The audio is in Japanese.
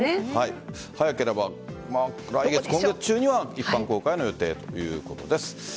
早ければ、今月中には一般公開の予定ということです。